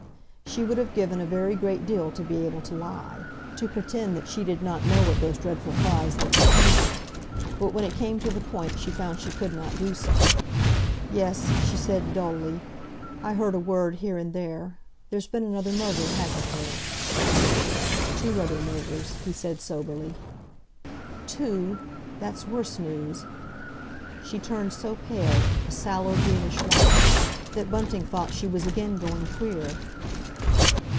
She would have given a very great deal to be able to lie, to pretend that she did not know what those dreadful cries had portended. But when it came to the point she found she could not do so. "Yes," she said dully. "I heard a word here and there. There's been another murder, hasn't there?" "Two other murders," he said soberly. "Two? That's worse news!" She turned so pale—a sallow greenish white—that Bunting thought she was again going queer.